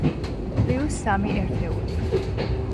პლიუს სამი ერთეული.